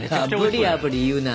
「あぶりあぶり」言うな！